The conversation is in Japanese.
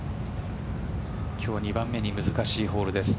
今日２番目に難しいホールです。